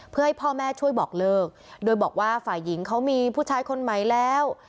เพื่อให้พ่อแม่ช่วยบอกเลิกโดยบอกว่าฝ่ายหญิงเขามีผู้ชายคนใหม่แล้ว